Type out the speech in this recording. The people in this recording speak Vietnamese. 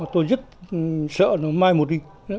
tôi rất sợ nó mai một đi